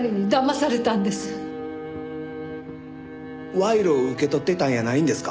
賄賂を受け取っていたんやないんですか？